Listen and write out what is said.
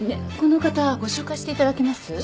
この方ご紹介していただけます？